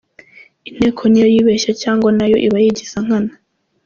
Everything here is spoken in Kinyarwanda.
Inteko niyo yibeshya cg nayo iba yigiza nkana?